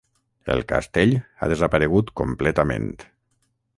El castell ha desaparegut completament.